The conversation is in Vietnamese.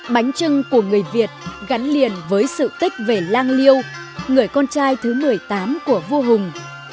bánh trưng của người việt gắn liền với sự tích về lang liêu người con trai thứ một mươi tám của vua hùng